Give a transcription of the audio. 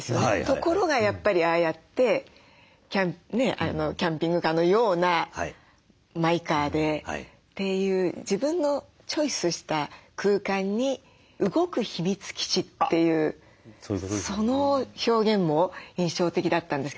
ところがやっぱりああやってキャンピングカーのようなマイカーでっていう自分のチョイスした空間に「動く秘密基地」っていうその表現も印象的だったんですけどヒロシさんはいかがですか？